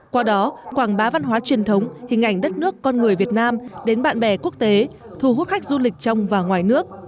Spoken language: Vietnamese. qua đó quảng bá văn hóa truyền thống hình ảnh đất nước con người việt nam đến bạn bè quốc tế thu hút khách du lịch trong và ngoài nước